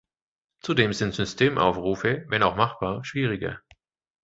Zudem sind Systemaufrufe, wenn auch machbar, schwieriger.